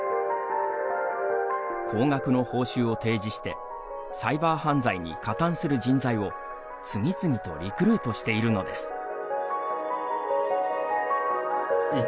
高額の報酬を提示してサイバー犯罪に加担する人材を次々とリクルートしているのです。